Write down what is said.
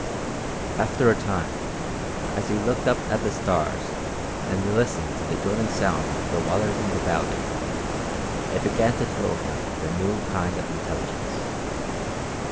After a time, as he looked up at the stars and listened to the droning sound of the waters in the valley, it began to thrill him with a new kind of intelligence.